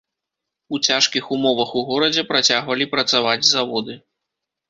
У цяжкіх умовах у горадзе працягвалі працаваць заводы.